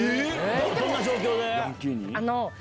どんな状況で？